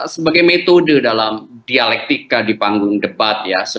sebagai metode dalam dialektika di panggung debat ya